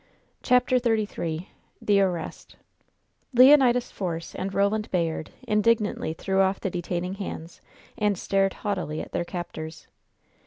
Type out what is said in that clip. CHAPTER XXXIII THE ARREST Leonidas Force and Roland Bayard indignantly threw off the detaining hands, and stared haughtily at their captors.